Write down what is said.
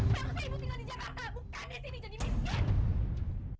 kenapa ibu tinggal di jakarta bukan di sini jadi bisa